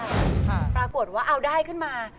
ปรากฏว่าเอาได้ขึ้นมา